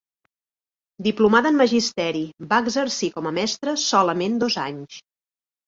Diplomada en Magisteri, va exercir com a mestra solament dos anys.